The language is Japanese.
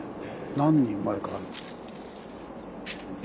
何に生まれ変わる？